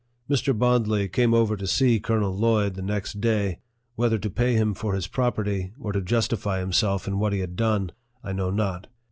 Mr. Bondly came over to see Colonel Lloyd the next day, whether to pay him for his property, or to justify himself in what he had done, I know not.